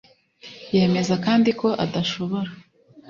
yemeza kandi ko adashobora